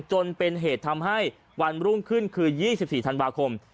จนเป็นเหตุทำให้วันรุ่งขึ้นคือ๒๔ธันวาคม